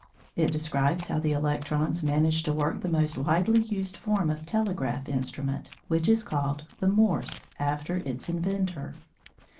It describes how the electrons manage to work the most widely used form of telegraph instrument, which is called the "Morse," after its inventor.